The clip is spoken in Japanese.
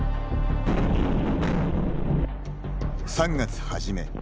３月初め。